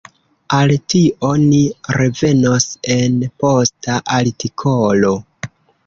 Al tio ni revenos en posta artikolo.